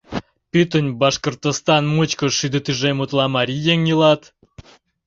Пӱтынь Башкортостан мучко шӱдӧ тӱжем утла марий еҥ илат.